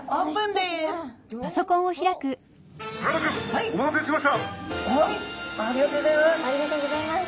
はいありがとうギョざいます。